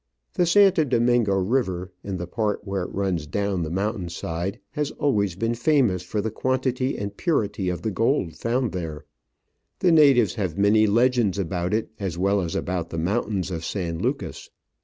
The Santo Domingo river, in the part where it runs down the mountain side, has always been famous for the quantity and purity of the gold found there. The natives have many legends about it as well as about the mountains of San Lucas.